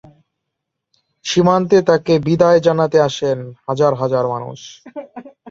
সীমান্তে তাকে বিদায় জানাতে আসেন হাজার হাজার মানুষ।